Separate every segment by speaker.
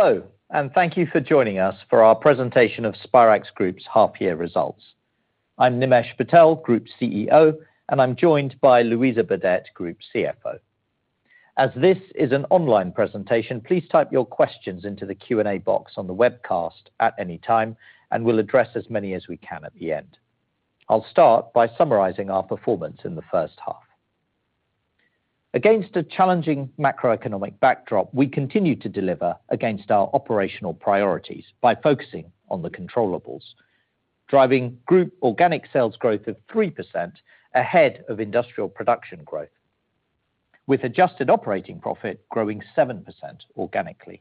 Speaker 1: Hello, and thank you for joining us for our presentation of Spirax Group's half-year results. I'm Nimesh Patel, Group CEO, and I'm joined by Louisa Burdett, Group CFO. As this is an online presentation, please type your questions into the Q&A box on the webcast at any time, and we'll address as many as we can at the end. I'll start by summarizing our performance in the first half. Against a challenging macroeconomic backdrop, we continue to deliver against our operational priorities by focusing on the controllables, driving group organic sales growth of 3% ahead of industrial production growth, with adjusted operating profit growing 7% organically.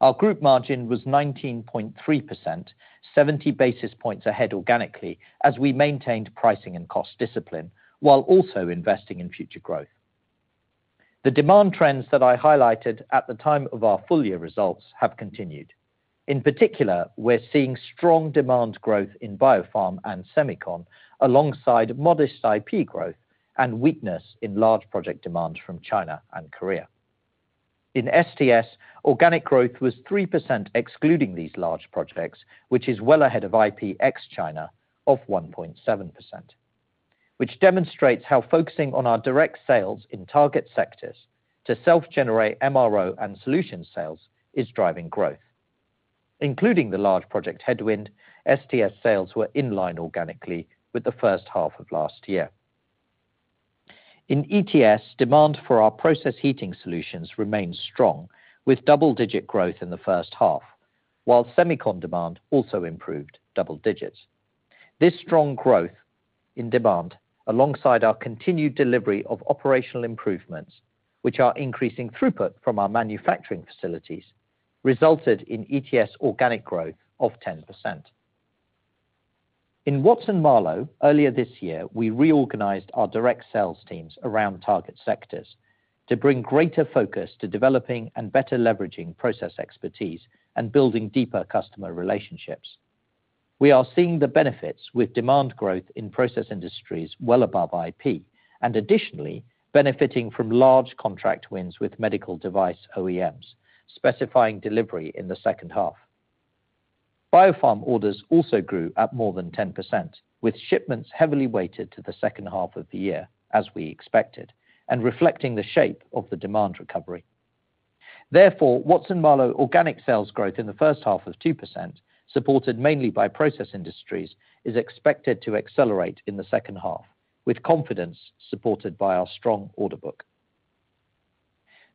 Speaker 1: Our group margin was 19.3%, 70 basis points ahead organically, as we maintained pricing and cost discipline while also investing in future growth. The demand trends that I highlighted at the time of our full-year results have continued. In particular, we're seeing strong demand growth in biofarm and semicon, alongside modest IP growth and weakness in large project demands from China and Korea. In STS, organic growth was 3% excluding these large projects, which is well ahead of IP ex-China of 1.7%, which demonstrates how focusing on our direct sales in target sectors to self-generate MRO and solution sales is driving growth. Including the large project headwind, STS sales were in-line organically with the first half of last year. In ETS, demand for our process heating solutions remains strong, with double-digit growth in the first half, while semicon demand also improved double digits. This strong growth in demand, alongside our continued delivery of operational improvements, which are increasing throughput from our manufacturing facilities, resulted in ETS organic growth of 10%. In Watson-Marlow, earlier this year, we reorganized our direct sales teams around target sectors to bring greater focus to developing and better leveraging process expertise and building deeper customer relationships. We are seeing the benefits with demand growth in process industries well above IP, and additionally benefiting from large contract wins with medical device OEMs, specifying delivery in the second half. Biofarm orders also grew at more than 10%, with shipments heavily weighted to the second half of the year, as we expected, and reflecting the shape of the demand recovery. Therefore, Watson-Marlow organic sales growth in the first half of 2%, supported mainly by process industries, is expected to accelerate in the second half, with confidence supported by our strong order book.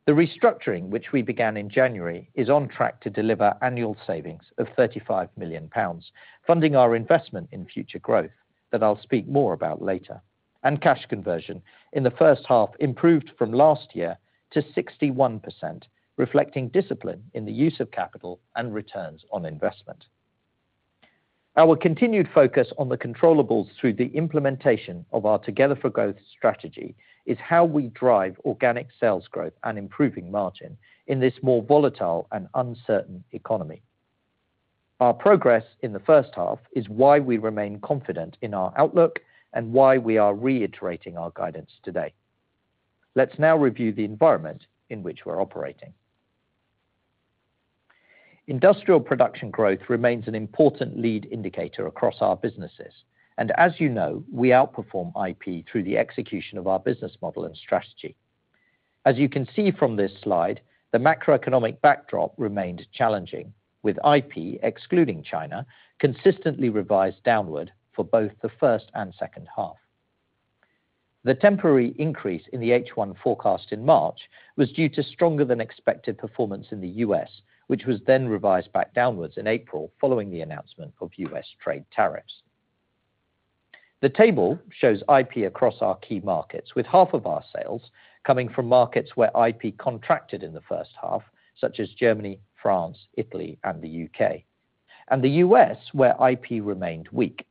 Speaker 1: The restructuring, which we began in January, is on track to deliver annual savings of 35 million pounds, funding our investment in future growth that I'll speak more about later, and cash conversion in the first half improved from last year to 61%, reflecting discipline in the use of capital and returns on investment. Our continued focus on the controllables through the implementation of our Together for Growth strategy is how we drive organic sales growth and improving margin in this more volatile and uncertain economy. Our progress in the first half is why we remain confident in our outlook and why we are reiterating our guidance today. Let's now review the environment in which we're operating. Industrial production growth remains an important lead indicator across our businesses, and as you know, we outperform IP through the execution of our business model and strategy. As you can see from this slide, the macroeconomic backdrop remained challenging, with IP excluding China consistently revised downward for both the first and second half. The temporary increase in the H1 forecast in March was due to stronger-than-expected performance in the U.S., which was then revised back downwards in April following the announcement of U.S. trade tariffs. The table shows IP across our key markets, with half of our sales coming from markets where IP contracted in the first half, such as Germany, France, Italy, and the U.K., and the U.S. where IP remained weak.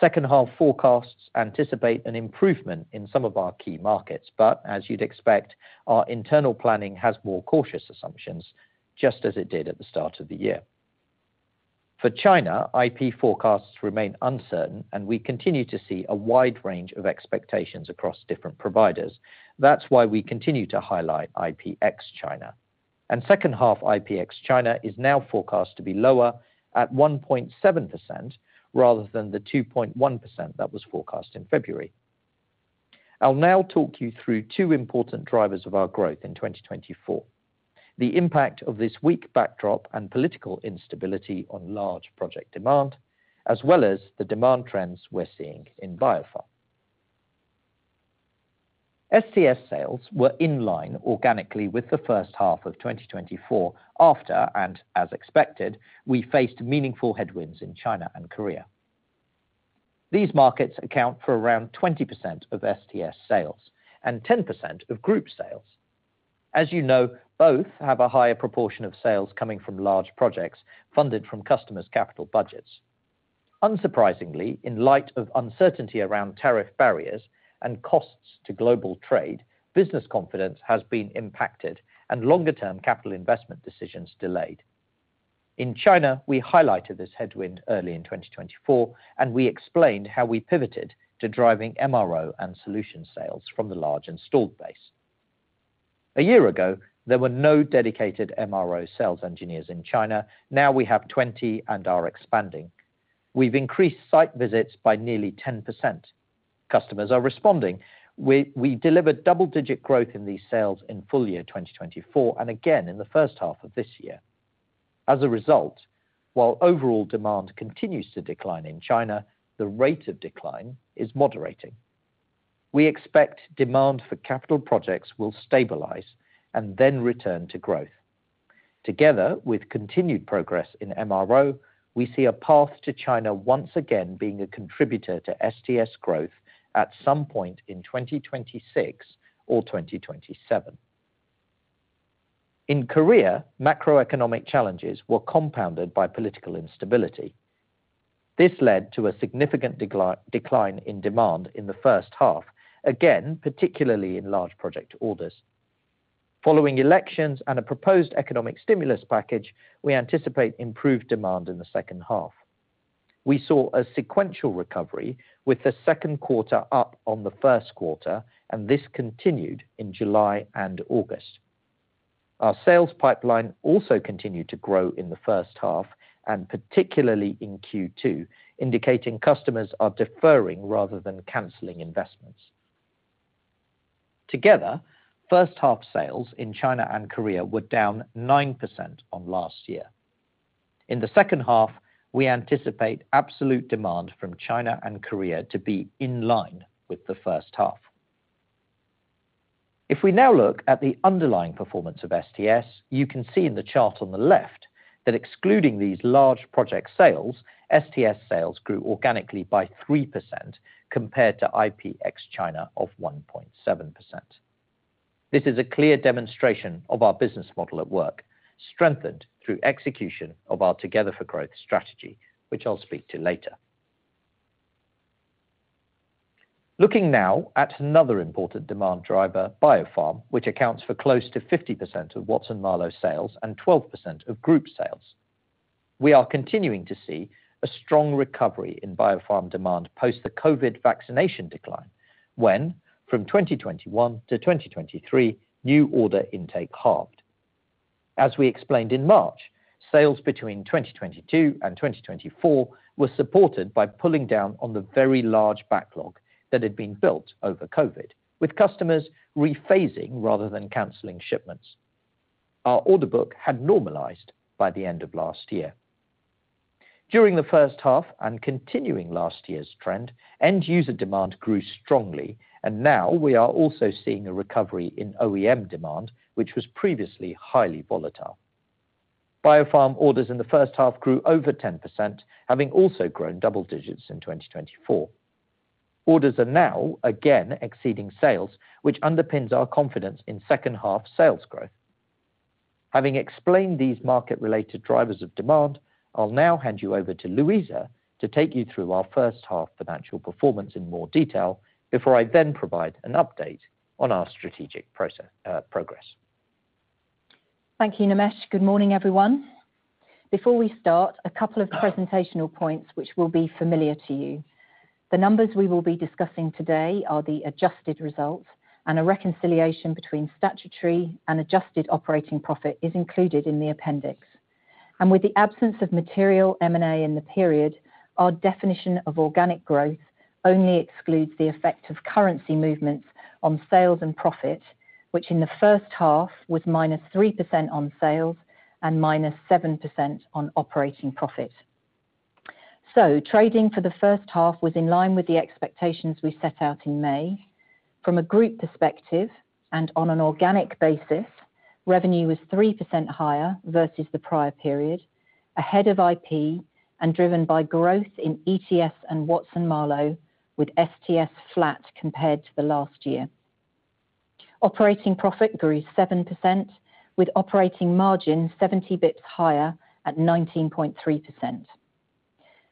Speaker 1: Second half forecasts anticipate an improvement in some of our key markets, but as you'd expect, our internal planning has more cautious assumptions, just as it did at the start of the year. For China, IP forecasts remain uncertain, and we continue to see a wide range of expectations across different providers. That's why we continue to highlight IP ex-China, and second half IP ex-China is now forecast to be lower at 1.7% rather than the 2.1% that was forecast in February. I'll now talk you through two important drivers of our growth in 2024: the impact of this weak backdrop and political instability on large project demand, as well as the demand trends we're seeing in biofarm. STS sales were in-line organically with the first half of 2024 after, and as expected, we faced meaningful headwinds in China and Korea. These markets account for around 20% of STS sales and 10% of group sales. As you know, both have a higher proportion of sales coming from large projects funded from customers' capital budgets. Unsurprisingly, in light of uncertainty around tariff barriers and costs to global trade, business confidence has been impacted, and longer-term capital investment decisions delayed. In China, we highlighted this headwind early in 2024, and we explained how we pivoted to driving MRO and solution sales from the large installed base. A year ago, there were no dedicated MRO sales engineers in China; now we have 20 and are expanding. We've increased site visits by nearly 10%. Customers are responding. We delivered double-digit growth in these sales in full-year 2024 and again in the first half of this year. As a result, while overall demand continues to decline in China, the rate of decline is moderating. We expect demand for capital projects will stabilize and then return to growth. Together with continued progress in MRO, we see a path to China once again being a contributor to STS growth at some point in 2026 or 2027. In Korea, macroeconomic challenges were compounded by political instability. This led to a significant decline in demand in the first half, again particularly in large project orders. Following elections and a proposed economic stimulus package, we anticipate improved demand in the second half. We saw a sequential recovery, with the second quarter up on the first quarter, and this continued in July and August. Our sales pipeline also continued to grow in the first half, and particularly in Q2, indicating customers are deferring rather than canceling investments. Together, first half sales in China and Korea were down 9% on last year. In the second half, we anticipate absolute demand from China and Korea to be in-line with the first half. If we now look at the underlying performance of STS, you can see in the chart on the left that excluding these large project sales, STS sales grew organically by 3% compared to IP ex-China of 1.7%. This is a clear demonstration of our business model at work, strengthened through execution of our Together for Growth strategy, which I'll speak to later. Looking now at another important demand driver, biofarm, which accounts for close to 50% of Watson-Marlow sales and 12% of group sales. We are continuing to see a strong recovery in biofarm demand post the COVID vaccination decline, when from 2021-2023, new order intake halved. As we explained in March, sales between 2022-2024 were supported by pulling down on the very large backlog that had been built over COVID, with customers rephasing rather than canceling shipments. Our order book had normalized by the end of last year. During the first half and continuing last year's trend, end-user demand grew strongly, and now we are also seeing a recovery in OEM demand, which was previously highly volatile. Biofarm orders in the first half grew over 10%, having also grown double digits in 2024. Orders are now again exceeding sales, which underpins our confidence in second half sales growth. Having explained these market-related drivers of demand, I'll now hand you over to Louisa to take you through our first half financial performance in more detail before I then provide an update on our strategic progress.
Speaker 2: Thank you, Nimesh. Good morning, everyone. Before we start, a couple of presentational points which will be familiar to you. The numbers we will be discussing today are the adjusted results, and a reconciliation between statutory and adjusted operating profit is included in the appendix. With the absence of material M&A in the period, our definition of organic growth only excludes the effect of currency movements on sales and profit, which in the first half was -3% on sales and -7% on operating profit. Trading for the first half was in line with the expectations we set out in May. From a group perspective and on an organic basis, revenue was 3% higher versus the prior period, ahead of IP, and driven by growth in ETS and Watson-Marlow, with STS flat compared to last year. Operating profit grew 7%, with operating margin 70 bps higher at 19.3%.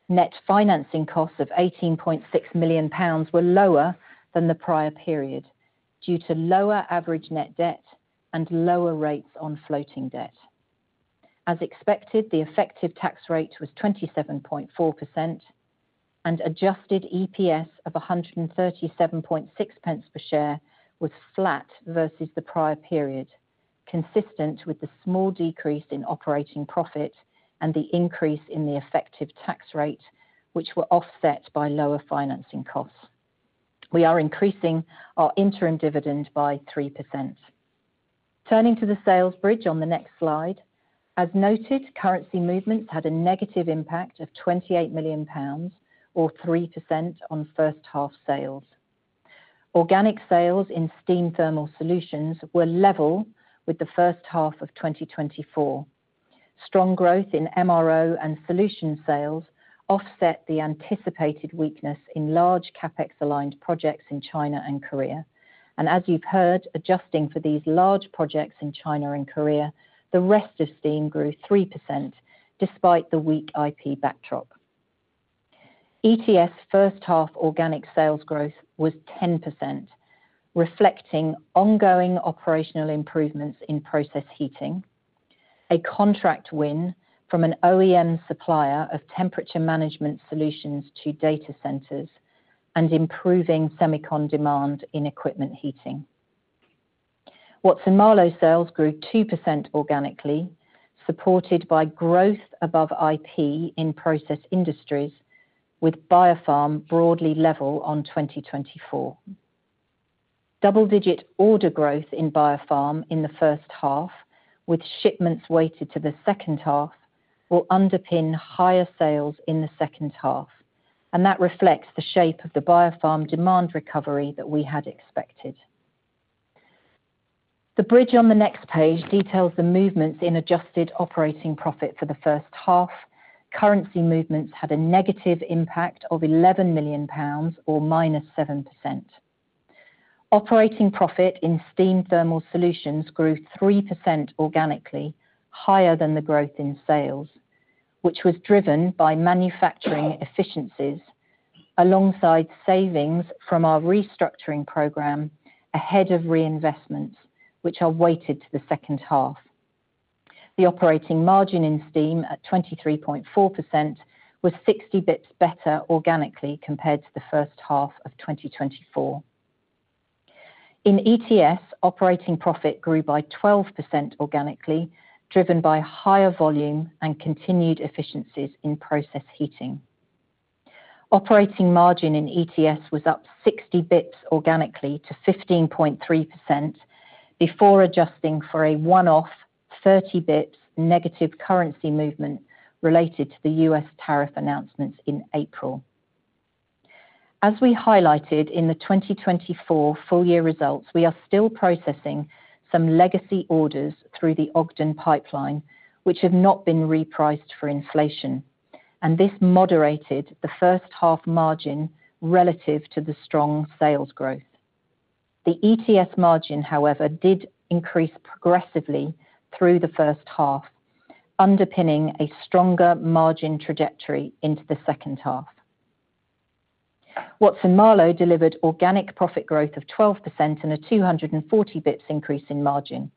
Speaker 2: Net financing costs of 18.6 million pounds were lower than the prior period due to lower average net debt and lower rates on floating debt. As expected, the effective tax rate was 27.4%, and adjusted EPS of 137.6 per share was flat versus the prior period, consistent with the small decrease in operating profit and the increase in the effective tax rate, which were offset by lower financing costs. We are increasing our interim dividend by 3%. Turning to the sales bridge on the next slide, as noted, currency movement had a negative impact of 28 million pounds, or 3% on first half sales. Organic sales in Steam Thermal Solutions were level with the first half of 2024. Strong growth in MRO and solution sales offset the anticipated weakness in large CapEx-aligned projects in China and Korea. As you've heard, adjusting for these large projects in China and Korea, the rest of steam grew 3% despite the weak IP backdrop. ETS first half organic sales growth was 10%, reflecting ongoing operational improvements in process heating, a contract win from an OEM supplier of temperature management solutions to data centers, and improving semicon demand in equipment heating. Watson-Marlow sales grew 2% organically, supported by growth above IP in process industries, with biofarm broadly level on 2024. Double-digit order growth in biofarm in the first half, with shipments weighted to the second half, will underpin higher sales in the second half, and that reflects the shape of the biofarm demand recovery that we had expected. The bridge on the next page details the movements in adjusted operating profit for the first half. Currency movements had a negative impact of 11 million pounds, or -7%. Operating profit in Steam Thermal Solutions grew 3% organically, higher than the growth in sales, which was driven by manufacturing efficiencies alongside savings from our restructuring program ahead of reinvestments, which are weighted to the second half. The operating margin in steam at 23.4% was 60 bps better organically compared to the first half of 2024. In Electric Thermal Solutions, operating profit grew by 12% organically, driven by higher volume and continued efficiencies in process heating. Operating margin in Electric Thermal Solutions was up 60 bps organically to 15.3% before adjusting for a one-off 30 bps negative currency movement related to the U.S. tariff announcement in April. As we highlighted in the 2024 full-year results, we are still processing some legacy orders through the Ogden pipeline, which have not been repriced for inflation, and this moderated the first half margin relative to the strong sales growth. The Electric Thermal Solutions margin, however, did increase progressively through the first half, underpinning a stronger margin trajectory into the second half. Watson-Marlow Fluid Technology Solutions delivered organic profit growth of 12% and a 240 bps increase in margin.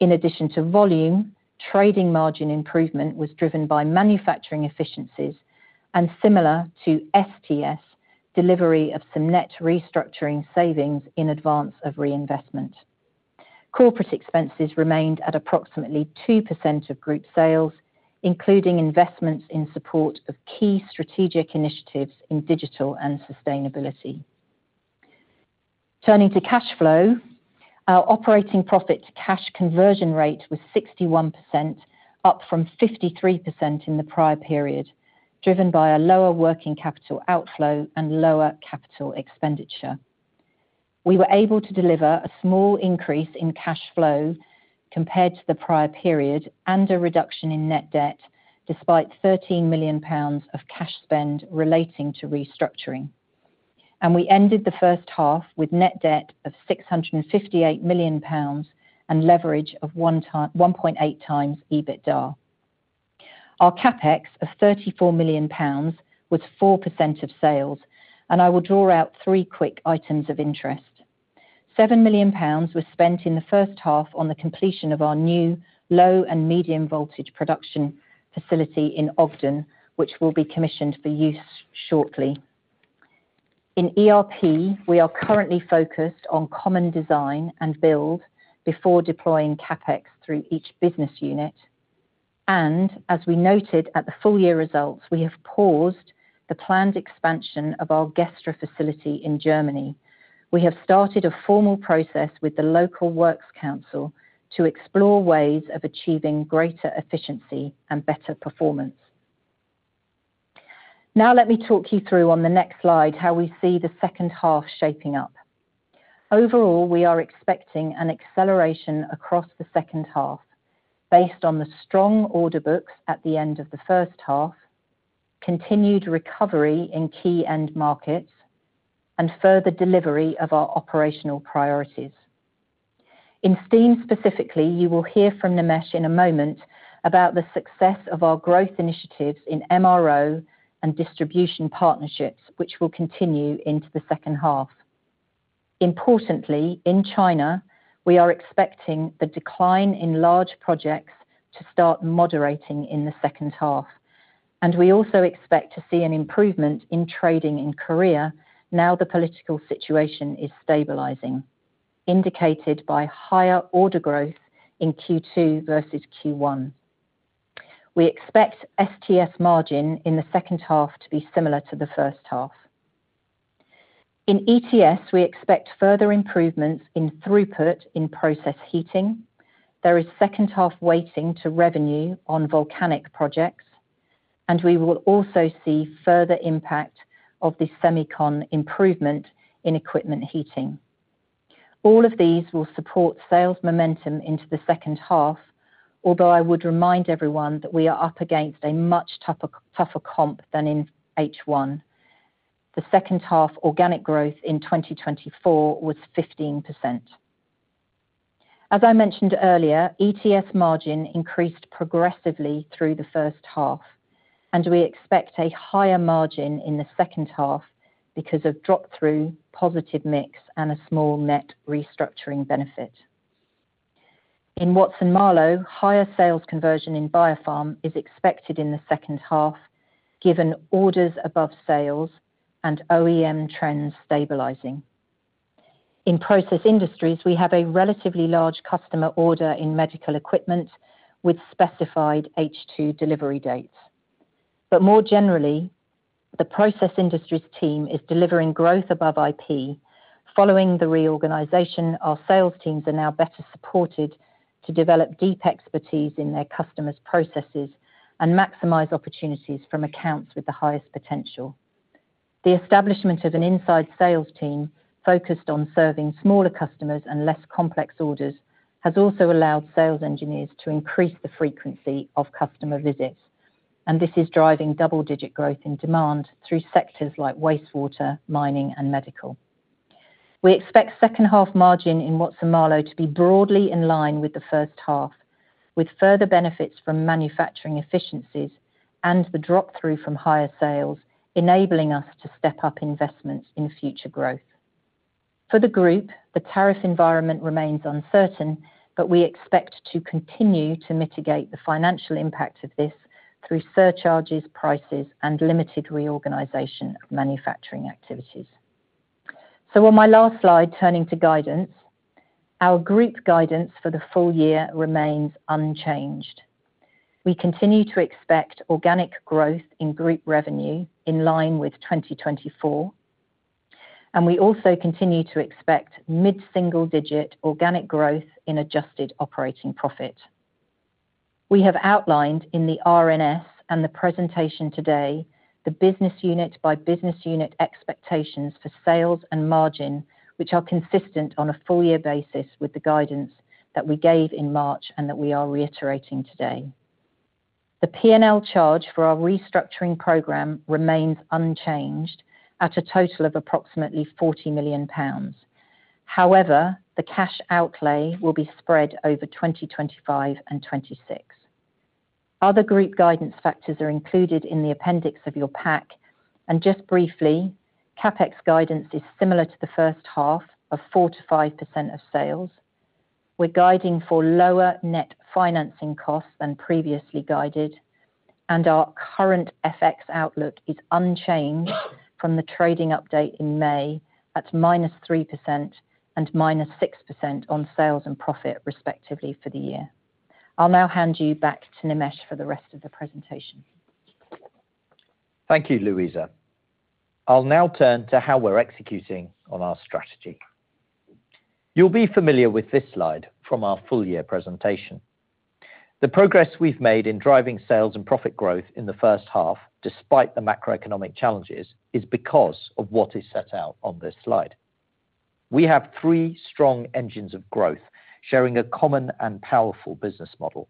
Speaker 2: In addition to volume, trading margin improvement was driven by manufacturing efficiencies and, similar to Steam Thermal Solutions, delivery of some net restructuring savings in advance of reinvestment. Corporate expenses remained at approximately 2% of group sales, including investments in support of key strategic initiatives in digital and sustainability. Turning to cash flow, our operating profit to cash conversion rate was 61%, up from 53% in the prior period, driven by a lower working capital outflow and lower capital expenditure. We were able to deliver a small increase in cash flow compared to the prior period and a reduction in net debt, despite 13 million pounds of cash spend relating to restructuring. We ended the first half with net debt of 658 million pounds and leverage of 1.8x EBITDA. Our CapEx of 34 million pounds was 4% of sales, and I will draw out three quick items of interest. 7 million pounds was spent in the first half on the completion of our new low and medium voltage production facility in Ogden, which will be commissioned for use shortly. In ERP, we are currently focused on common design and build before deploying CapEx through each business unit. As we noted at the full-year results, we have paused the planned expansion of our guest facility in Germany. We have started a formal process with the local works council to explore ways of achieving greater efficiency and better performance. Now let me talk you through on the next slide how we see the second half shaping up. Overall, we are expecting an acceleration across the second half based on the strong order books at the end of the first half, continued recovery in key end markets, and further delivery of our operational priorities. In steam specifically, you will hear from Nimesh in a moment about the success of our growth initiatives in MRO and distribution partnerships, which will continue into the second half. Importantly, in China, we are expecting the decline in large projects to start moderating in the second half, and we also expect to see an improvement in trading in Korea, now the political situation is stabilizing, indicated by higher order growth in Q2 versus Q1. We expect STS margin in the second half to be similar to the first half. In ETS, we expect further improvements in throughput in process heating. There is second half weighting to revenue on volcanic projects, and we will also see further impact of the semicon improvement in equipment heating. All of these will support sales momentum into the second half, although I would remind everyone that we are up against a much tougher comp than in H1. The second half organic growth in 2024 was 15%. As I mentioned earlier, ETS margin increased progressively through the first half, and we expect a higher margin in the second half because of drop-through, positive mix, and a small net restructuring benefit. In Watson-Marlow, higher sales conversion in biofarm is expected in the second half, given orders above sales and OEM trends stabilizing. In process industries, we have a relatively large customer order in medical equipment with specified H2 delivery dates. More generally, the process industries team is delivering growth above IP. Following the reorganization, our sales teams are now better supported to develop deep expertise in their customers' processes and maximize opportunities from accounts with the highest potential. The establishment of an inside sales team focused on serving smaller customers and less complex orders has also allowed sales engineers to increase the frequency of customer visits, and this is driving double-digit growth in demand through sectors like wastewater, mining, and medical. We expect second half margin in Watson-Marlow to be broadly in line with the first half, with further benefits from manufacturing efficiencies and the drop-through from higher sales, enabling us to step up investments in future growth. For the group, the tariff environment remains uncertain, but we expect to continue to mitigate the financial impact of this through surcharges, prices, and limited reorganization of manufacturing activities. On my last slide, turning to guidance, our group guidance for the full year remains unchanged. We continue to expect organic growth in group revenue in line with 2024, and we also continue to expect mid-single-digit organic growth in adjusted operating profit. We have outlined in the RNS and the presentation today the business unit by business unit expectations for sales and margin, which are consistent on a full-year basis with the guidance that we gave in March and that we are reiterating today. The P&L charge for our restructuring program remains unchanged at a total of approximately £40 million. However, the cash outlay will be spread over 2025 and 2026. Other group guidance factors are included in the appendix of your pack, and just briefly, CapEx guidance is similar to the first half of 4%-5% of sales. We're guiding for lower net financing costs than previously guided, and our current FX outlook is unchanged from the trading update in May at -3% and -6% on sales and profit, respectively, for the year. I'll now hand you back to Nimesh for the rest of the presentation.
Speaker 1: Thank you, Louisa. I'll now turn to how we're executing on our strategy. You'll be familiar with this slide from our full-year presentation. The progress we've made in driving sales and profit growth in the first half, despite the macroeconomic challenges, is because of what is set out on this slide. We have three strong engines of growth sharing a common and powerful business model,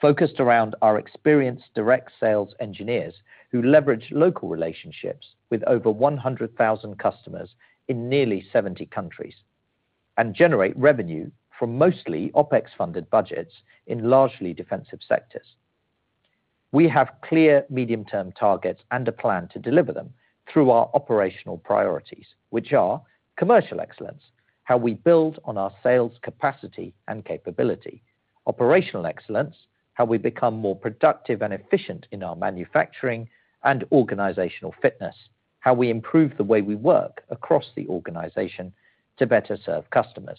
Speaker 1: focused around our experienced direct sales engineers who leverage local relationships with over 100,000 customers in nearly 70 countries and generate revenue from mostly OpEx-funded budgets in largely defensive sectors. We have clear medium-term targets and a plan to deliver them through our operational priorities, which are commercial excellence, how we build on our sales capacity and capability, operational excellence, how we become more productive and efficient in our manufacturing and organizational fitness, how we improve the way we work across the organization to better serve customers.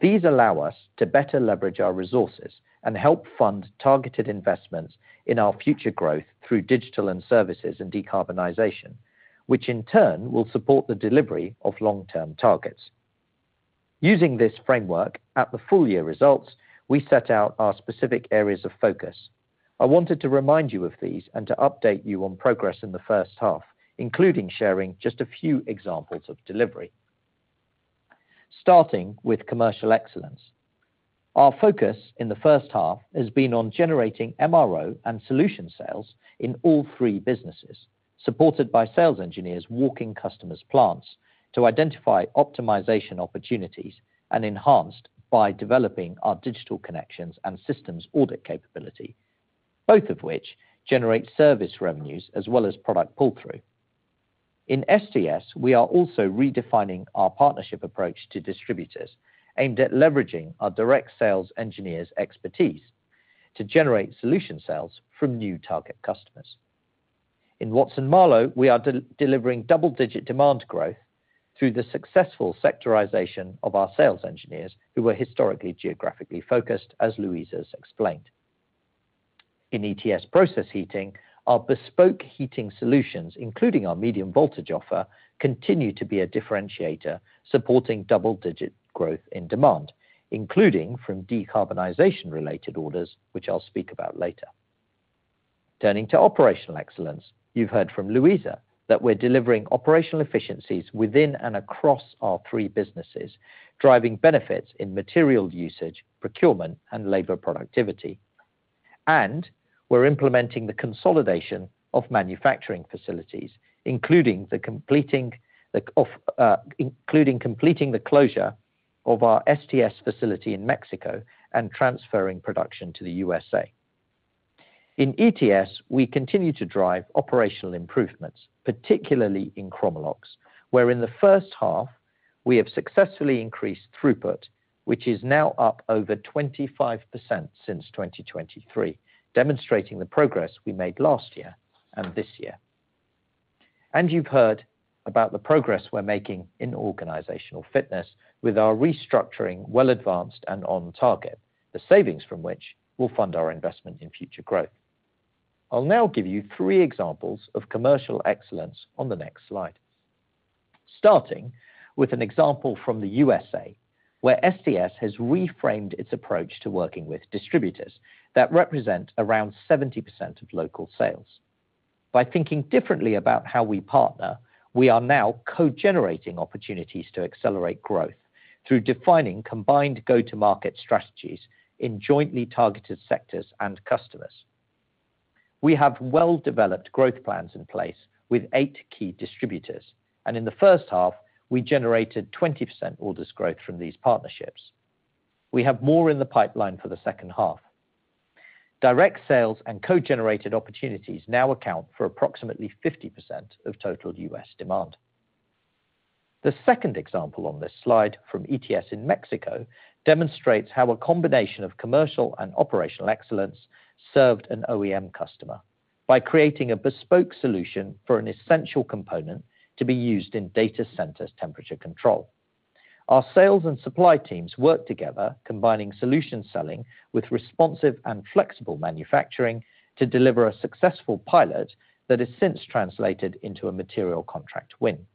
Speaker 1: These allow us to better leverage our resources and help fund targeted investments in our future growth through digital and services and decarbonization, which in turn will support the delivery of long-term targets. Using this framework, at the full-year results, we set out our specific areas of focus. I wanted to remind you of these and to update you on progress in the first half, including sharing just a few examples of delivery. Starting with commercial excellence, our focus in the first half has been on generating MRO and solution sales in all three businesses, supported by sales engineers walking customers' plants to identify optimization opportunities and enhanced by developing our digital connections and systems audit capability, both of which generate service revenues as well as product pull-through. In STS, we are also redefining our partnership approach to distributors aimed at leveraging our direct sales engineers' expertise to generate solution sales from new target customers. In Watson-Marlow, we are delivering double-digit demand growth through the successful sectorization of our sales engineers who were historically geographically focused, as Louisa's explained. In ETS process heating, our bespoke heating solutions, including our medium voltage offer, continue to be a differentiator supporting double-digit growth in demand, including from decarbonization-related orders, which I'll speak about later. Turning to operational excellence, you've heard from Louisa that we're delivering operational efficiencies within and across our three businesses, driving benefits in material usage, procurement, and labor productivity. We're implementing the consolidation of manufacturing facilities, including completing the closure of our STS facility in Mexico and transferring production to the USA. In ETS, we continue to drive operational improvements, particularly in ChromaLuxe, where in the first half, we have successfully increased throughput, which is now up over 25% since 2023, demonstrating the progress we made last year and this year. You've heard about the progress we're making in organizational fitness with our restructuring well advanced and on target, the savings from which will fund our investment in future growth. I'll now give you three examples of commercial excellence on the next slide. Starting with an example from the U.S.A., where STS has reframed its approach to working with distributors that represent around 70% of local sales. By thinking differently about how we partner, we are now co-generating opportunities to accelerate growth through defining combined go-to-market strategies in jointly targeted sectors and customers. We have well-developed growth plans in place with eight key distributors, and in the first half, we generated 20% orders growth from these partnerships. We have more in the pipeline for the second half. Direct sales and co-generated opportunities now account for approximately 50% of total U.S. demand. The second example on this slide from ETS in Mexico demonstrates how a combination of commercial and operational excellence served an OEM customer by creating a bespoke solution for an essential component to be used in data centers' temperature control. Our sales and supply teams work together, combining solution selling with responsive and flexible manufacturing to deliver a successful pilot that has since translated into a material contract win.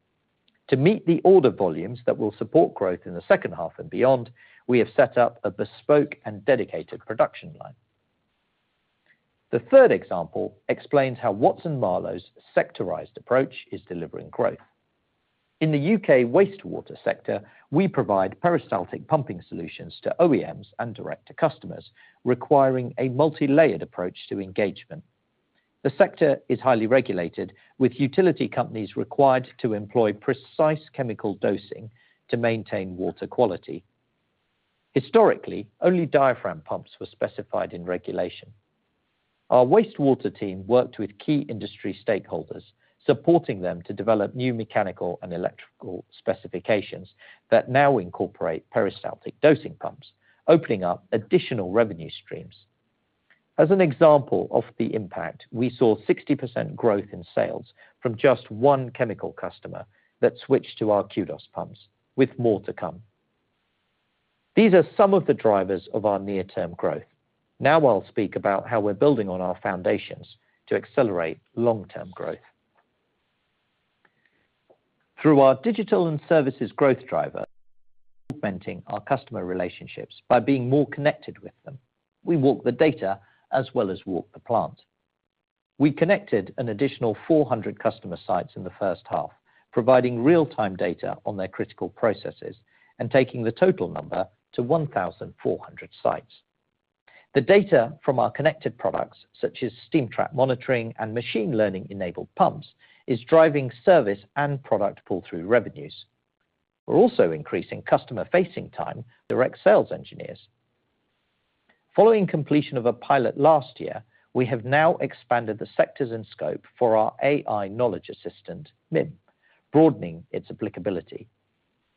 Speaker 1: To meet the order volumes that will support growth in the second half and beyond, we have set up a bespoke and dedicated production line. The third example explains how Watson-Marlow's sectorized approach is delivering growth. In the U.K. wastewater sector, we provide peristaltic pumping solutions to OEMs and direct to customers, requiring a multi-layered approach to engagement. The sector is highly regulated, with utility companies required to employ precise chemical dosing to maintain water quality. Historically, only diaphragm pumps were specified in regulation. Our wastewater team worked with key industry stakeholders, supporting them to develop new mechanical and electrical specifications that now incorporate peristaltic dosing pumps, opening up additional revenue streams. As an example of the impact, we saw 60% growth in sales from just one chemical customer that switched to our QDOS pumps, with more to come. These are some of the drivers of our near-term growth. Now I'll speak about how we're building on our foundations to accelerate long-term growth. Through our digital and services growth driver, augmenting our customer relationships by being more connected with them, we walk the data as well as walk the plant. We connected an additional 400 customer sites in the first half, providing real-time data on their critical processes and taking the total number to 1,400 sites. The data from our connected products, such as steam trap monitoring and machine learning-enabled pumps, is driving service and product pull-through revenues. We're also increasing customer-facing time direct sales engineers. Following completion of a pilot last year, we have now expanded the sectors and scope for our AI knowledge assistant, MIM, broadening its applicability.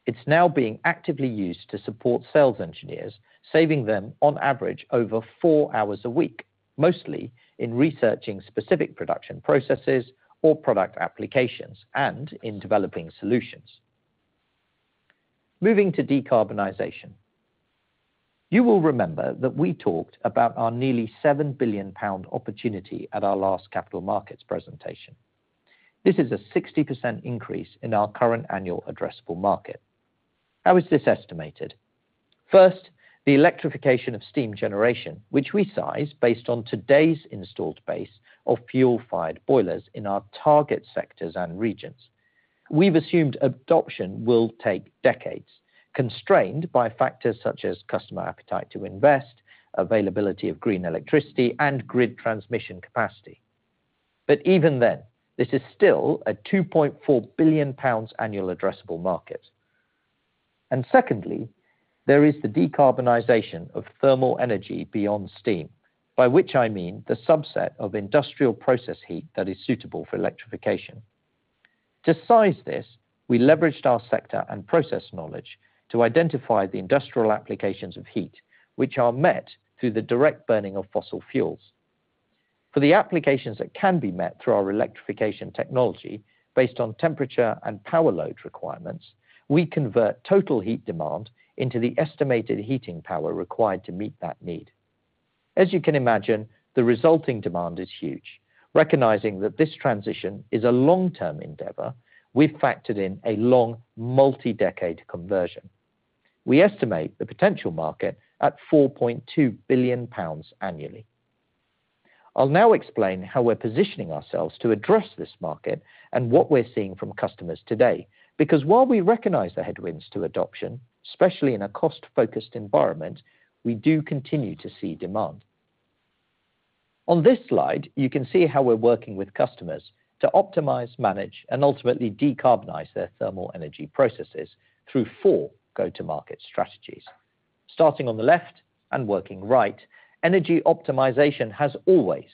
Speaker 1: It's now being actively used to support sales engineers, saving them on average over four hours a week, mostly in researching specific production processes or product applications and in developing solutions. Moving to decarbonization, you will remember that we talked about our nearly 7 billion pound opportunity at our last capital markets presentation. This is a 60% increase in our current annual addressable market. How is this estimated? First, the electrification of steam generation, which we size based on today's installed base of fuel-fired boilers in our target sectors and regions. We've assumed adoption will take decades, constrained by factors such as customer appetite to invest, availability of green electricity, and grid transmission capacity. Even then, this is still a 2.4 billion pounds annual addressable market. Secondly, there is the decarbonization of thermal energy beyond steam, by which I mean the subset of industrial process heat that is suitable for electrification. To size this, we leveraged our sector and process knowledge to identify the industrial applications of heat, which are met through the direct burning of fossil fuels. For the applications that can be met through our electrification technology based on temperature and power load requirements, we convert total heat demand into the estimated heating power required to meet that need. As you can imagine, the resulting demand is huge, recognizing that this transition is a long-term endeavor with factored in a long multi-decade conversion. We estimate the potential market at 4.2 billion pounds annually. I'll now explain how we're positioning ourselves to address this market and what we're seeing from customers today, because while we recognize the headwinds to adoption, especially in a cost-focused environment, we do continue to see demand. On this slide, you can see how we're working with customers to optimize, manage, and ultimately decarbonize their thermal energy processes through four go-to-market strategies. Starting on the left and working right, energy optimization has always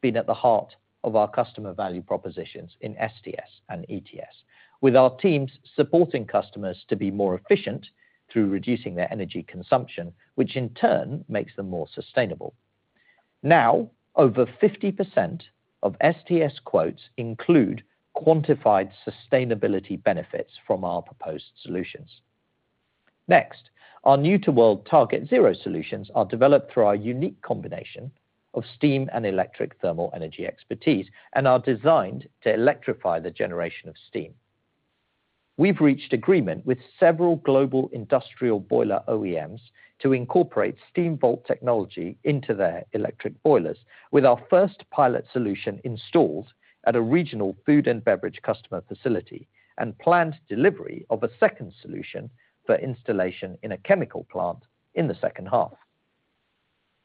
Speaker 1: been at the heart of our customer value propositions in STS and ETS, with our teams supporting customers to be more efficient through reducing their energy consumption, which in turn makes them more sustainable. Now, over 50% of STS quotes include quantified sustainability benefits from our proposed solutions. Next, our new-to-world target zero solutions are developed through our unique combination of steam and electric thermal energy expertise and are designed to electrify the generation of steam. We've reached agreement with several global industrial boiler OEMs to incorporate steam-volt technology into their electric boilers, with our first pilot solution installed at a regional food and beverage customer facility and planned delivery of a second solution for installation in a chemical plant in the second half.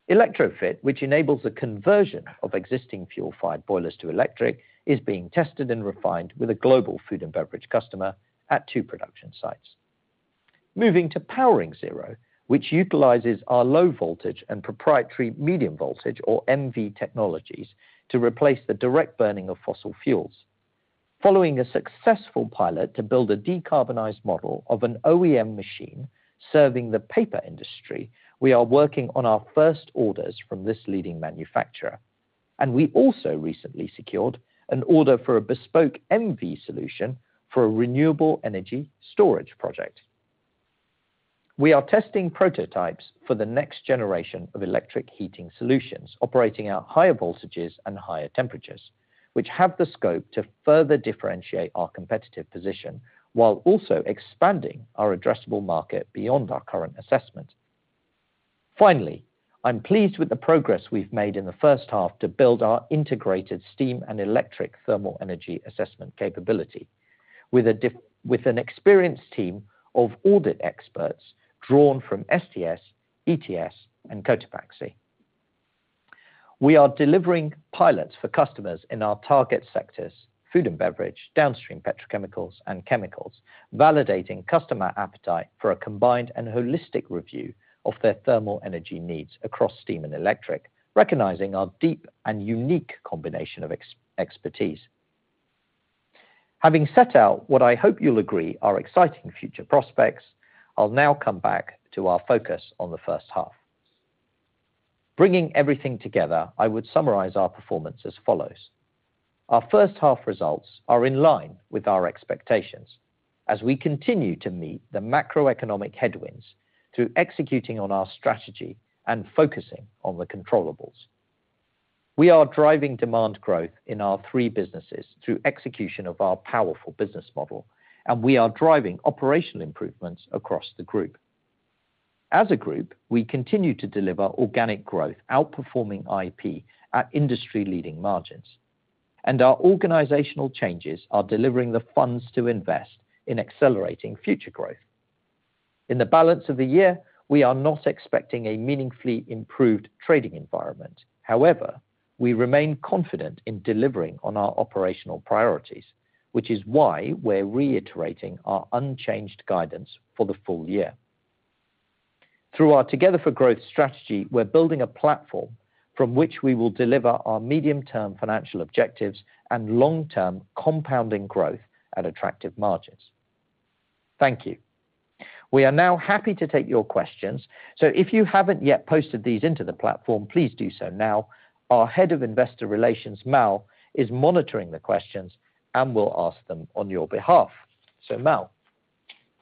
Speaker 1: Electrofit, which enables a conversion of existing fuel-fired boilers to electric, is being tested and refined with a global food and beverage customer at two production sites. Moving to powering zero, which utilizes our low voltage and proprietary medium voltage, or MV technologies, to replace the direct burning of fossil fuels. Following a successful pilot to build a decarbonized model of an OEM machine serving the paper industry, we are working on our first orders from this leading manufacturer, and we also recently secured an order for a bespoke MV solution for a renewable energy storage project. We are testing prototypes for the next generation of electric heating solutions operating at higher voltages and higher temperatures, which have the scope to further differentiate our competitive position while also expanding our addressable market beyond our current assessment. Finally, I'm pleased with the progress we've made in the first half to build our integrated steam and electric thermal energy assessment capability with an experienced team of audit experts drawn from STS, ETS, and Cotopaxi. We are delivering pilots for customers in our target sectors: food and beverage, downstream petrochemicals, and chemicals, validating customer appetite for a combined and holistic review of their thermal energy needs across steam and electric, recognizing our deep and unique combination of expertise. Having set out what I hope you'll agree are exciting future prospects, I'll now come back to our focus on the first half. Bringing everything together, I would summarize our performance as follows. Our first half results are in line with our expectations as we continue to meet the macroeconomic headwinds through executing on our strategy and focusing on the controllables. We are driving demand growth in our three businesses through execution of our powerful business model, and we are driving operational improvements across the group. As a group, we continue to deliver organic growth outperforming IP at industry-leading margins, and our organizational changes are delivering the funds to invest in accelerating future growth. In the balance of the year, we are not expecting a meaningfully improved trading environment. However, we remain confident in delivering on our operational priorities, which is why we're reiterating our unchanged guidance for the full year. Through our Together for Growth strategy, we're building a platform from which we will deliver our medium-term financial objectives and long-term compounding growth at attractive margins. Thank you. We are now happy to take your questions. If you haven't yet posted these into the platform, please do so now. Our Head of Investor Relations, Mal, is monitoring the questions and will ask them on your behalf. Mal,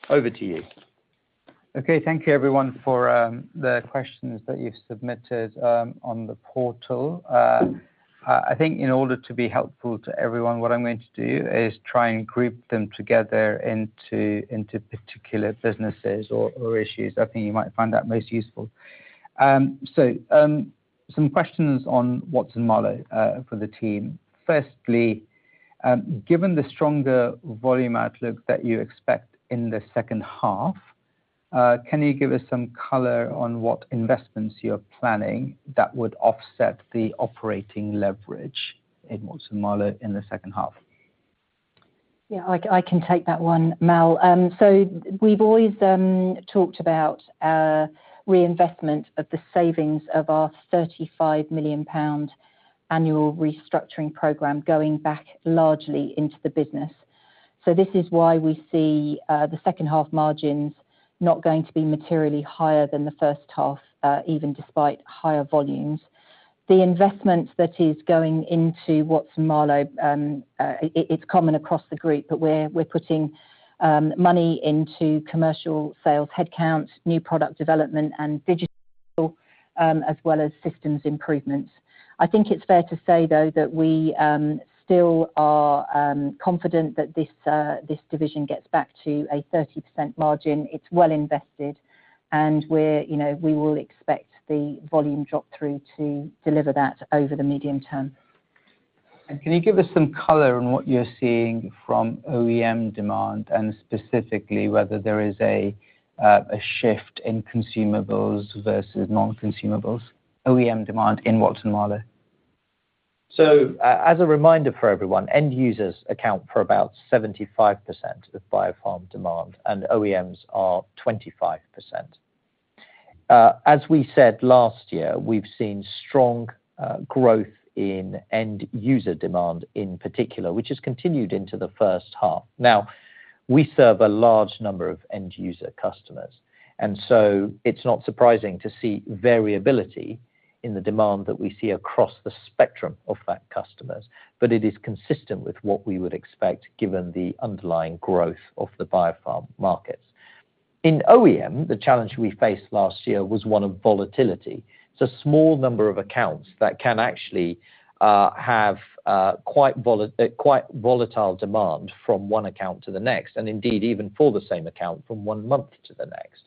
Speaker 1: over to you.
Speaker 3: Okay, thank you everyone for the questions that you've submitted on the portal. I think in order to be helpful to everyone, what I'm going to do is try and group them together into particular businesses or issues that I think you might find that most useful. Some questions on Watson-Marlow for the team. Firstly, given the stronger volume outlook that you expect in the second half, can you give us some color on what investments you're planning that would offset the operating leverage in Watson-Marlow in the second half?
Speaker 2: Yeah, I can take that one, Mal. We've always talked about our reinvestment of the savings of our 35 million pound annual restructuring program going back largely into the business. This is why we see the second half margins not going to be materially higher than the first half, even despite higher volumes. The investment that is going into Watson-Marlow, it's common across the group that we're putting money into commercial sales headcount, new product development, and digital, as well as systems improvements. I think it's fair to say, though, that we still are confident that this division gets back to a 30% margin. It's well invested, and we will expect the volume drop through to deliver that over the medium term.
Speaker 3: Can you give us some color on what you're seeing from OEM demand, specifically whether there is a shift in consumables versus non-consumables OEM demand in Watson-Marlow?
Speaker 1: As a reminder for everyone, end users account for about 75% of biofarm demand, and OEMs are 25%. As we said last year, we've seen strong growth in end user demand in particular, which has continued into the first half. We serve a large number of end user customers, and it's not surprising to see variability in the demand that we see across the spectrum of that customers, but it is consistent with what we would expect given the underlying growth of the biofarm markets. In OEM, the challenge we faced last year was one of volatility. It's a small number of accounts that can actually have quite volatile demand from one account to the next, and indeed even for the same account from one month to the next.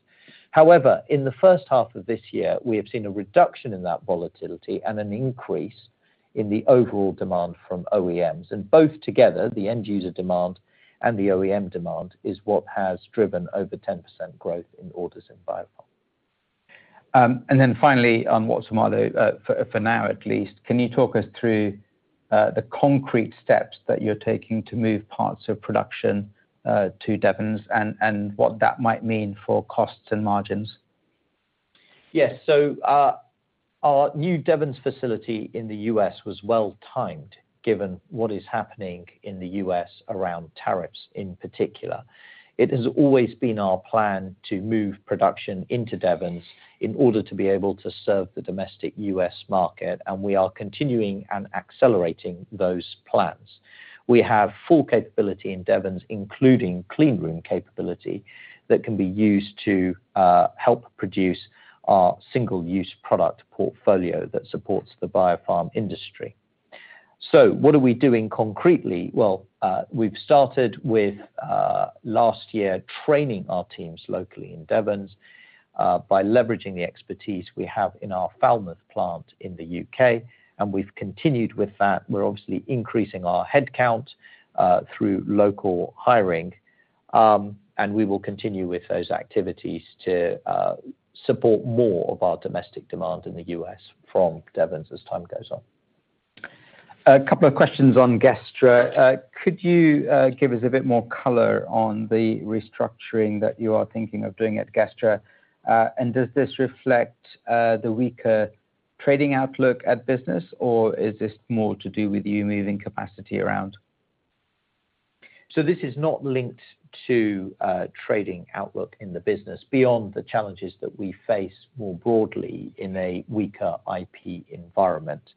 Speaker 1: However, in the first half of this year, we have seen a reduction in that volatility and an increase in the overall demand from OEMs, and both together, the end user demand and the OEM demand is what has driven over 10% growth in orders in biofarms.
Speaker 3: On Watson-Marlow, for now at least, can you talk us through the concrete steps that you're taking to move parts of production to Devens and what that might mean for costs and margins?
Speaker 1: Yes, so our new Devens facility in the U.S. was well timed given what is happening in the U.S. around tariffs in particular. It has always been our plan to move production into Devens in order to be able to serve the domestic U.S. market, and we are continuing and accelerating those plans. We have full capability in Devens, including clean room capability that can be used to help produce our single-use product portfolio that supports the biofarm sector. What are we doing concretely? We started last year training our teams locally in Devens by leveraging the expertise we have in our Falmouth plant in the U.K., and we've continued with that. We're obviously increasing our headcount through local hiring, and we will continue with those activities to support more of our domestic demand in the U.S. from Devens as time goes on.
Speaker 3: A couple of questions on GESTRA. Could you give us a bit more color on the restructuring that you are thinking of doing at GESTRA? Does this reflect the weaker trading outlook at business, or is this more to do with you moving capacity around?
Speaker 1: This is not linked to trading outlook in the business beyond the challenges that we face more broadly in a weaker IP environment.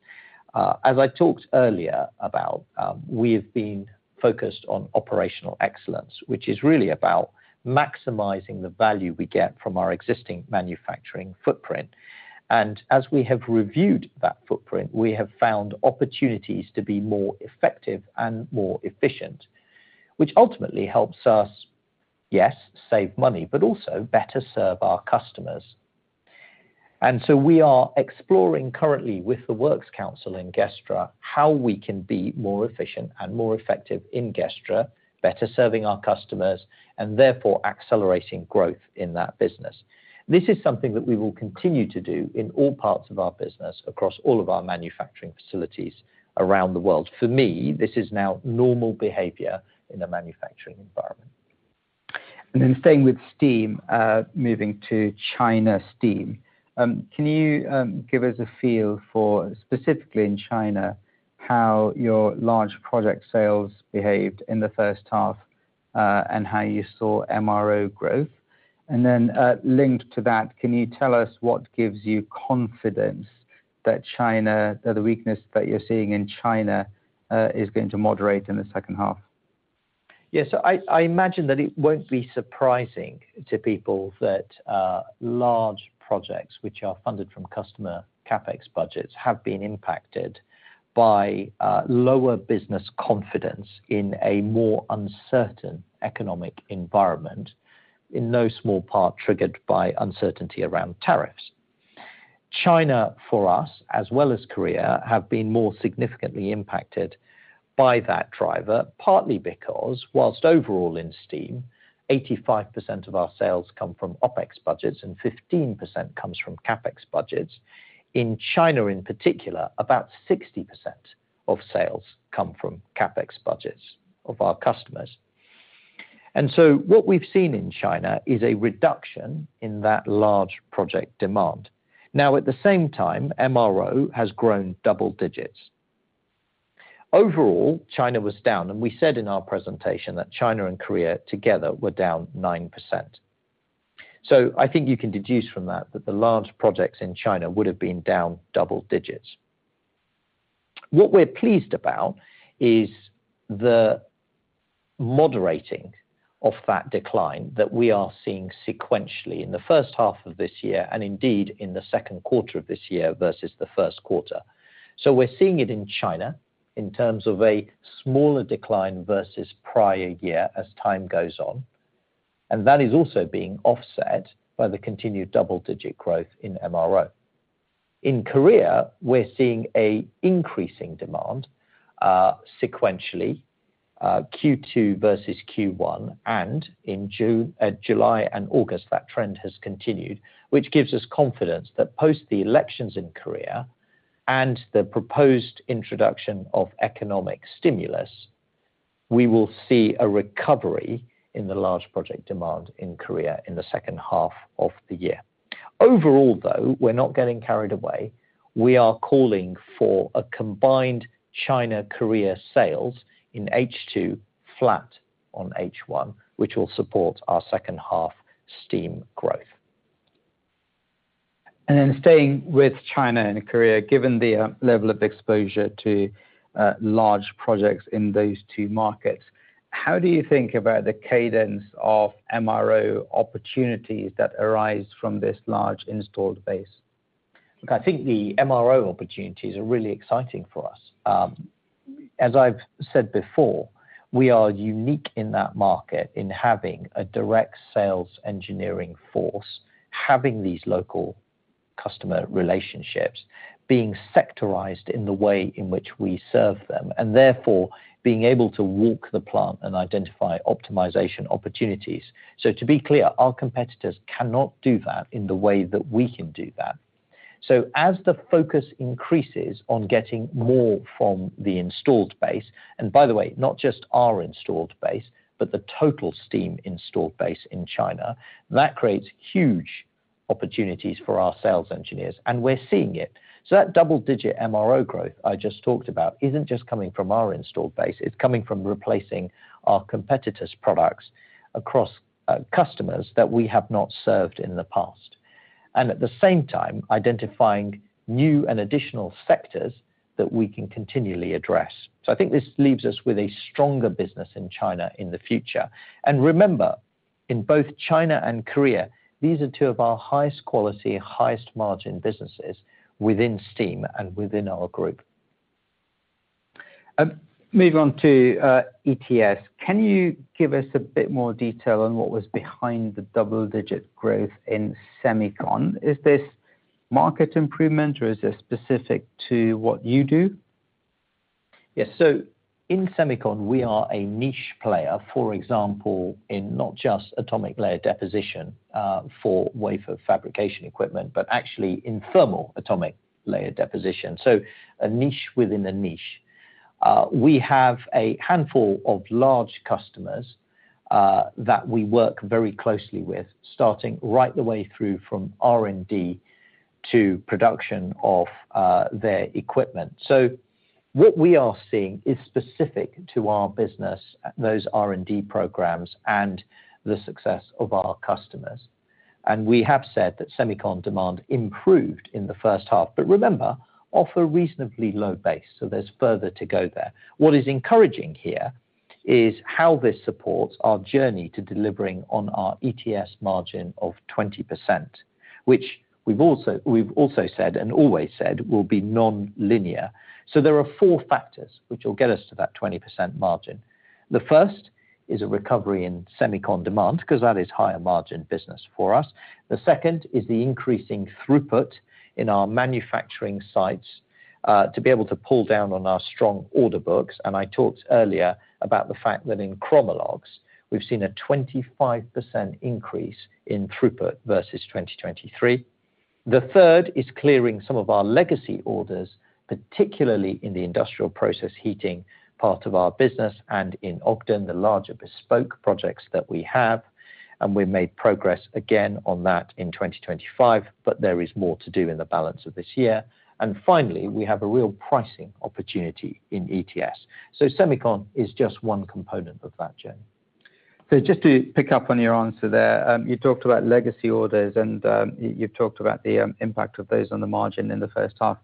Speaker 1: As I talked earlier about, we have been focused on operational excellence, which is really about maximizing the value we get from our existing manufacturing footprint. As we have reviewed that footprint, we have found opportunities to be more effective and more efficient, which ultimately helps us, yes, save money, but also better serve our customers. We are exploring currently with the works council in GESTRA how we can be more efficient and more effective in GESTRA, better serving our customers, and therefore accelerating growth in that business. This is something that we will continue to do in all parts of our business across all of our manufacturing facilities around the world. For me, this is now normal behavior in a manufacturing environment.
Speaker 3: Staying with steam, moving to China steam, can you give us a feel for specifically in China how your large project sales behaved in the first half and how you saw MRO growth? Linked to that, can you tell us what gives you confidence that China, the weakness that you're seeing in China, is going to moderate in the second half?
Speaker 1: Yeah, so I imagine that it won't be surprising to people that large projects which are funded from customer CapEx budgets have been impacted by lower business confidence in a more uncertain economic environment, in no small part triggered by uncertainty around tariffs. China, for us, as well as Korea, have been more significantly impacted by that driver, partly because whilst overall in steam, 85% of our sales come from OpEx budgets and 15% comes from CapEx budgets. In China in particular, about 60% of sales come from CapEx budgets of our customers. What we've seen in China is a reduction in that large project demand. At the same time, MRO has grown double digits. Overall, China was down, and we said in our presentation that China and Korea together were down 9%. I think you can deduce from that that the large projects in China would have been down double digits. What we're pleased about is the moderating of that decline that we are seeing sequentially in the first half of this year and indeed in the second quarter of this year versus the first quarter. We're seeing it in China in terms of a smaller decline versus prior year as time goes on, and that is also being offset by the continued double-digit growth in MRO. In Korea, we're seeing an increasing demand sequentially, Q2 versus Q1, and in June, July, and August, that trend has continued, which gives us confidence that post the elections in Korea and the proposed introduction of economic stimulus, we will see a recovery in the large project demand in Korea in the second half of the year. Overall, though, we're not getting carried away. We are calling for a combined China-Korea sales in H2 flat on H1, which will support our second half steam growth.
Speaker 3: Staying with China and Korea, given the level of exposure to large projects in those two markets, how do you think about the cadence of MRO opportunities that arise from this large installed base?
Speaker 1: I think the MRO opportunities are really exciting for us. As I've said before, we are unique in that market in having a direct sales engineering force, having these local customer relationships, being sectorized in the way in which we serve them, and therefore being able to walk the plant and identify optimization opportunities. To be clear, our competitors cannot do that in the way that we can do that. As the focus increases on getting more from the installed base, and by the way, not just our installed base, but the total steam installed base in China, that creates huge opportunities for our sales engineers, and we're seeing it. That double-digit MRO growth I just talked about isn't just coming from our installed base. It's coming from replacing our competitors' products across customers that we have not served in the past, and at the same time, identifying new and additional sectors that we can continually address. I think this leaves us with a stronger business in China in the future. Remember, in both China and Korea, these are two of our highest quality, highest margin businesses within steam and within our group.
Speaker 3: Moving on to ETS, can you give us a bit more detail on what was behind the double-digit growth in semicon? Is this market improvement, or is it specific to what you do?
Speaker 1: Yes, in semicon, we are a niche player, for example, in not just atomic layer deposition for wafer fabrication equipment, but actually in thermal atomic layer deposition. A niche within a niche. We have a handful of large customers that we work very closely with, starting right the way through from R&D to production of their equipment. What we are seeing is specific to our business, those R&D programs, and the success of our customers. We have said that semicon demand improved in the first half, but remember, off a reasonably low base, so there's further to go there. What is encouraging here is how this supports our journey to delivering on our ETS margin of 20%, which we've also said and always said will be non-linear. There are four factors which will get us to that 20% margin. The first is a recovery in semicon demand, because that is higher margin business for us. The second is the increasing throughput in our manufacturing sites to be able to pull down on our strong order books. I talked earlier about the fact that in ChromaLuxe, we've seen a 25% increase in throughput versus 2023. The third is clearing some of our legacy orders, particularly in the industrial process heating part of our business and in Ogden, the larger bespoke projects that we have. We've made progress again on that in 2024, but there is more to do in the balance of this year. Finally, we have a real pricing opportunity in ETS. Semicon is just one component of that journey.
Speaker 3: Just to pick up on your answer there, you talked about legacy orders and you've talked about the impact of those on the margin in the first half.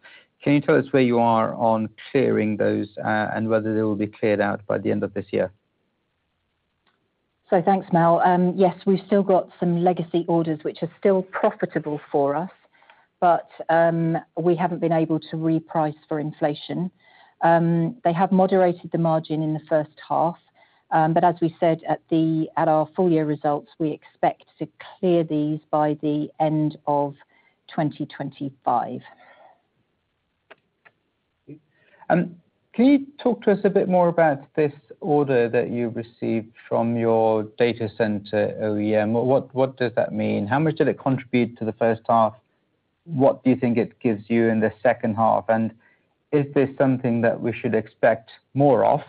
Speaker 3: Can you tell us where you are on clearing those and whether they will be cleared out by the end of this year?
Speaker 2: Thank you, Mal. Yes, we've still got some legacy orders, which are still profitable for us, but we haven't been able to reprice for inflation. They have moderated the margin in the first half, but as we said at our full-year results, we expect to clear these by the end of 2025.
Speaker 3: Can you talk to us a bit more about this order that you received from your data center OEM? What does that mean? How much did it contribute to the first half? What do you think it gives you in the second half? Is this something that we should expect more of,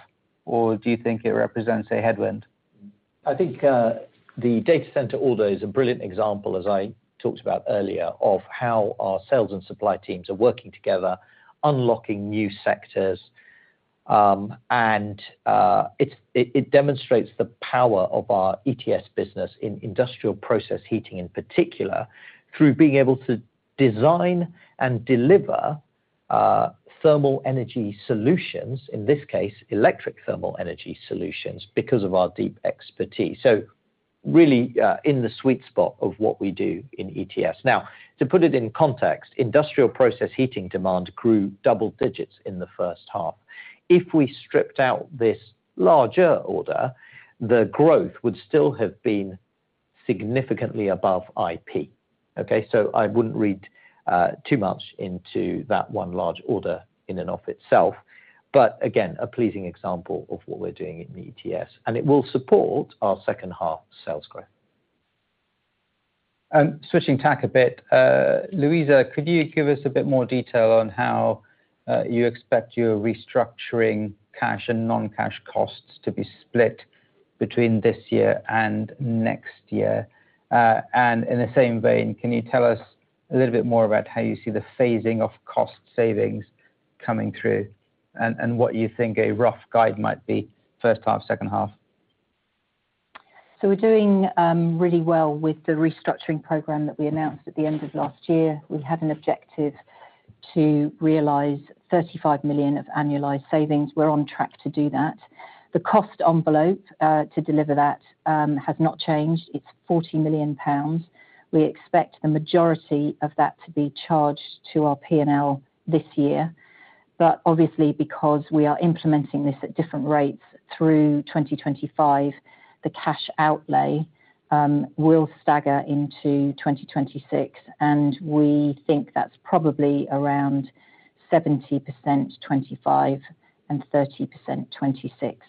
Speaker 3: or do you think it represents a headwind?
Speaker 1: I think the data center order is a brilliant example, as I talked about earlier, of how our sales and supply teams are working together, unlocking new sectors. It demonstrates the power of our ETS business in industrial process heating in particular, through being able to design and deliver thermal energy solutions, in this case, electric thermal energy solutions, because of our deep expertise. Really in the sweet spot of what we do in ETS. Now, to put it in context, industrial process heating demand grew double digits in the first half. If we stripped out this larger order, the growth would still have been significantly above IP. I wouldn't read too much into that one large order in and of itself, but again, a pleasing example of what we're doing in the ETS, and it will support our second half sales growth.
Speaker 3: Switching tack a bit, Louisa, could you give us a bit more detail on how you expect your restructuring cash and non-cash costs to be split between this year and next year? In the same vein, can you tell us a little bit more about how you see the phasing of cost savings coming through and what you think a rough guide might be first half, second half?
Speaker 2: We're doing really well with the restructuring program that we announced at the end of last year. We had an objective to realize 35 million of annualized savings. We're on track to do that. The cost envelope to deliver that has not changed. It's 40 million pounds. We expect the majority of that to be charged to our P&L this year. Obviously, because we are implementing this at different rates through 2025, the cash outlay will stagger into 2026, and we think that's probably around 70% 2025 and 30% 2026.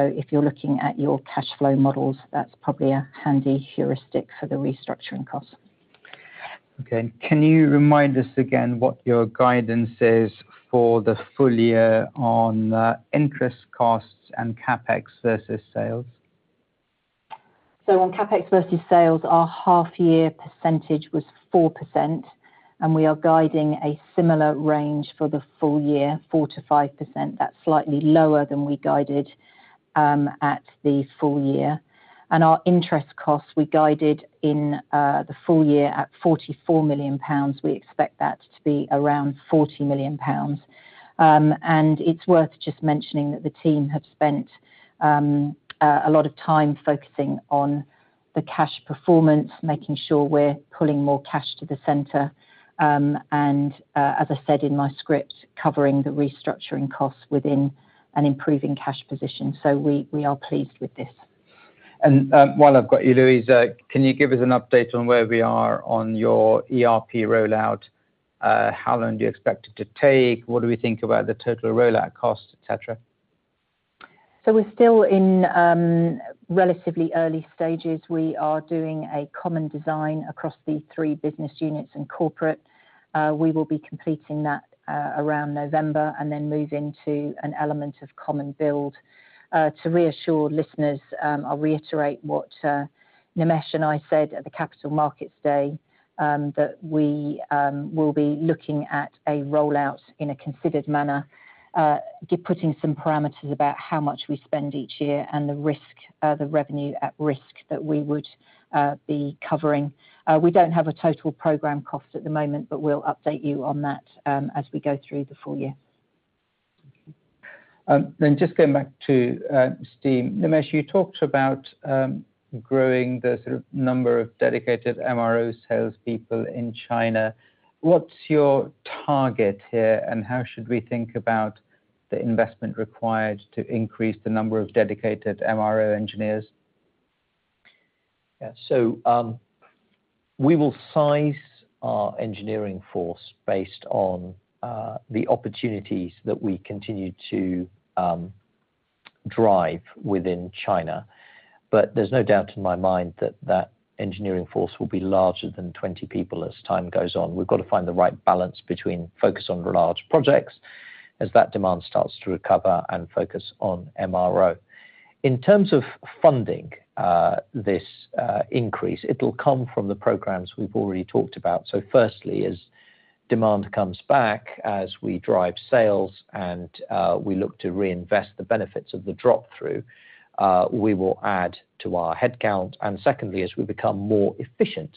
Speaker 2: If you're looking at your cash flow models, that's probably a handy heuristic for the restructuring costs.
Speaker 3: Okay, can you remind us again what your guidance is for the full year on interest costs and CapEx versus sales?
Speaker 2: On CapEx versus sales, our half-year percentage was 4%, and we are guiding a similar range for the full year, 4%-5%. That's slightly lower than we guided at the full year. Our interest costs, we guided in the full year at 44 million pounds. We expect that to be around 40 million pounds. It's worth just mentioning that the team have spent a lot of time focusing on the cash performance, making sure we're pulling more cash to the center, and as I said in my script, covering the restructuring costs within an improving cash position. We are pleased with this.
Speaker 3: While I've got you, Louisa, can you give us an update on where we are on your ERP rollout? How long do you expect it to take? What do we think about the total rollout costs, etc.?
Speaker 2: We're still in relatively early stages. We are doing a common design across the three business units and corporate. We will be completing that around November and then move into an element of common build. To reassure listeners, I'll reiterate what Nimesh and I said at the Capital Markets Day, that we will be looking at a rollout in a considered manner, putting some parameters about how much we spend each year and the revenue at risk that we would be covering. We don't have a total program cost at the moment, but we'll update you on that as we go through the full year.
Speaker 3: Going back to steam, Nimesh, you talked about growing the sort of number of dedicated MRO salespeople in China. What's your target here, and how should we think about the investment required to increase the number of dedicated MRO engineers?
Speaker 1: Yeah, we will size our engineering force based on the opportunities that we continue to drive within China. There's no doubt in my mind that that engineering force will be larger than 20 people as time goes on. We've got to find the right balance between focus on large projects as that demand starts to recover and focus on MRO. In terms of funding this increase, it'll come from the programs we've already talked about. Firstly, as demand comes back, as we drive sales and we look to reinvest the benefits of the drop-through, we will add to our headcount. Secondly, as we become more efficient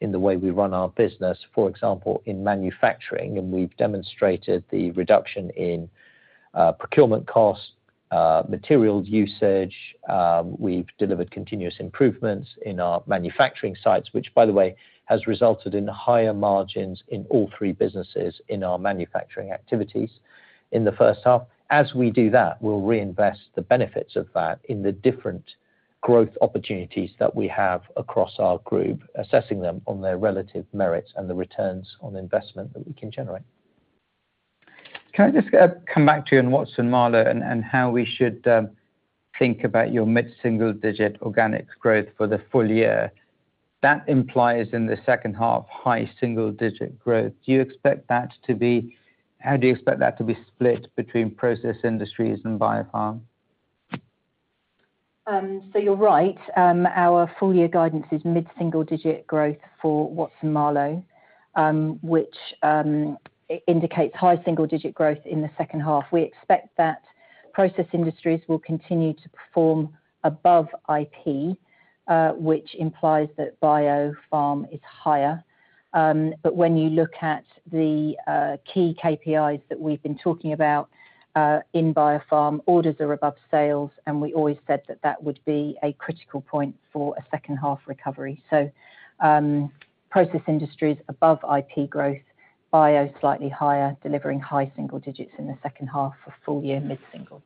Speaker 1: in the way we run our business, for example, in manufacturing, and we've demonstrated the reduction in procurement costs, material usage, we've delivered continuous improvements in our manufacturing sites, which, by the way, has resulted in higher margins in all three businesses in our manufacturing activities in the first half. As we do that, we'll reinvest the benefits of that in the different growth opportunities that we have across our group, assessing them on their relative merits and the returns on investment that we can generate.
Speaker 3: Can I just come back to you on Watson-Marlow and how we should think about your mid-single-digit organic sales growth for the full year? That implies in the second half high single-digit growth. Do you expect that to be, how do you expect that to be split between process industries and biofarm?
Speaker 2: You're right. Our full-year guidance is mid-single-digit growth for Watson-Marlow, which indicates high single-digit growth in the second half. We expect that process industries will continue to perform above IP, which implies that biofarm is higher. When you look at the key KPIs that we've been talking about in biofarm, orders are above sales, and we always said that that would be a critical point for a second half recovery. Process industries above IP growth, bio slightly higher, delivering high single digits in the second half for full-year mid-single.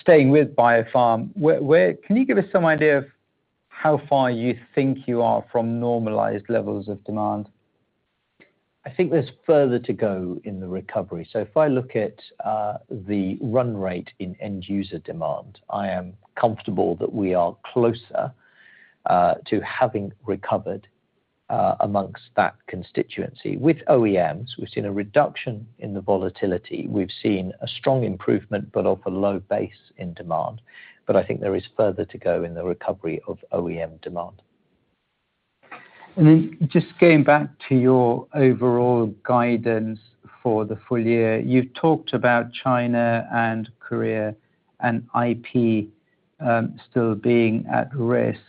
Speaker 3: Staying with biofarm, can you give us some idea of how far you think you are from normalized levels of demand?
Speaker 1: I think there's further to go in the recovery. If I look at the run rate in end user demand, I am comfortable that we are closer to having recovered amongst that constituency. With OEMs, we've seen a reduction in the volatility. We've seen a strong improvement, off a low base in demand. I think there is further to go in the recovery of OEM demand.
Speaker 3: Just going back to your overall guidance for the full year, you've talked about China and Korea and IP still being at risk.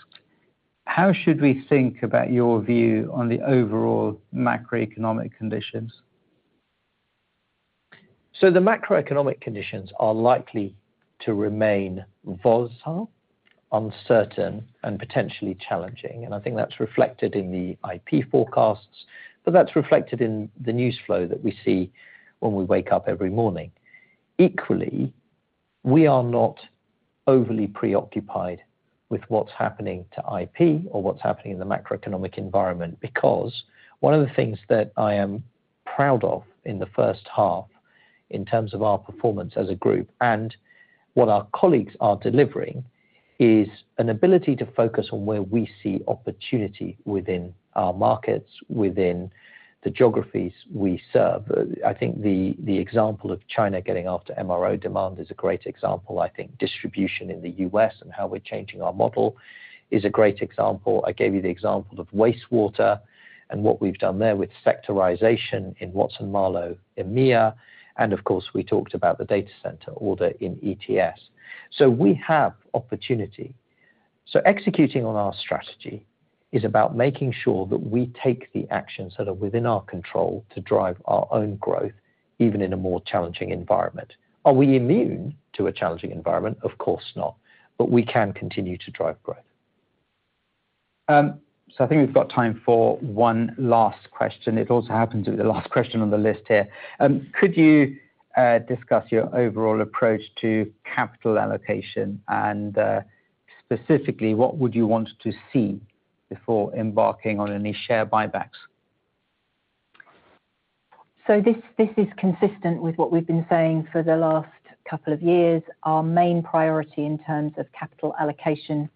Speaker 3: How should we think about your view on the overall macroeconomic conditions?
Speaker 1: The macroeconomic conditions are likely to remain volatile, uncertain, and potentially challenging. I think that's reflected in the IP forecasts, and that's reflected in the news flow that we see when we wake up every morning. Equally, we are not overly preoccupied with what's happening to IP or what's happening in the macroeconomic environment, because one of the things that I am proud of in the first half in terms of our performance as a group and what our colleagues are delivering is an ability to focus on where we see opportunity within our markets, within the geographies we serve. I think the example of China getting after MRO demand is a great example. I think distribution in the U.S. and how we're changing our model is a great example. I gave you the example of wastewater and what we've done there with sectorization in Watson-Marlow EMEA. Of course, we talked about the data center order in ETS. We have opportunity. Executing on our strategy is about making sure that we take the actions that are within our control to drive our own growth, even in a more challenging environment. Are we immune to a challenging environment? Of course not. We can continue to drive growth.
Speaker 3: I think we've got time for one last question. It also happens to be the last question on the list here. Could you discuss your overall approach to capital allocation, and specifically what would you want to see before embarking on any share buybacks?
Speaker 2: This is consistent with what we've been saying for the last couple of years. Our main priority in terms of capital allocation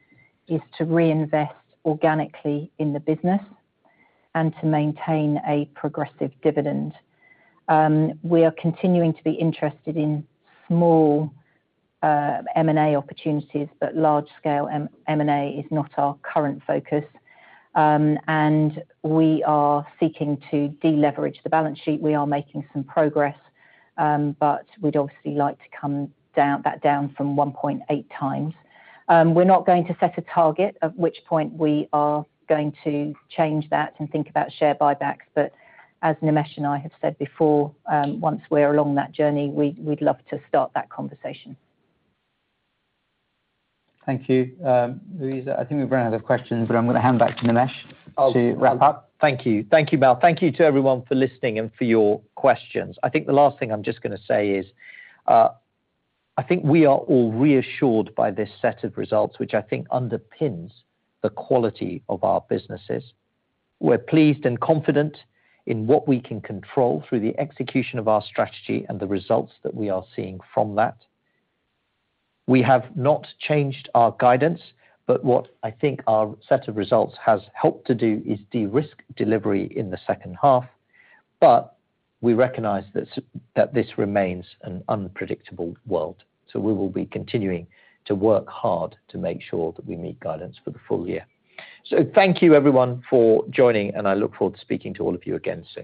Speaker 2: is to reinvest organically in the business and to maintain a progressive dividend. We are continuing to be interested in more M&A opportunities, but large-scale M&A is not our current focus. We are seeking to deleverage the balance sheet. We are making some progress, but we'd obviously like to come down from 1.8x. We're not going to set a target at which point we are going to change that and think about share buybacks. As Nimesh and I have said before, once we're along that journey, we'd love to start that conversation.
Speaker 3: Thank you, Louisa. I think we've run out of questions, but I'm going to hand back to Nimesh to wrap up.
Speaker 1: Thank you. Thank you, Mal. Thank you to everyone for listening and for your questions. I think the last thing I'm just going to say is I think we are all reassured by this set of results, which I think underpins the quality of our businesses. We're pleased and confident in what we can control through the execution of our strategy and the results that we are seeing from that. We have not changed our guidance. What I think our set of results has helped to do is de-risk delivery in the second half. We recognize that this remains an unpredictable world. We will be continuing to work hard to make sure that we meet guidance for the full year. Thank you, everyone, for joining, and I look forward to speaking to all of you again soon.